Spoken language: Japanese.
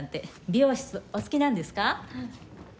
美容室お好きなんですか？